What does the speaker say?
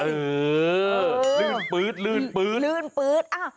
เออลื่นปื๊ด